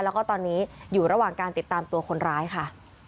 แล้วก็ตอนนี้อยู่ระหว่างการติดตามตัวคนร้ายค่ะ